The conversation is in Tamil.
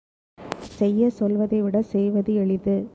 செய்யச் சொல்வதைவிட செய்வது எளிது.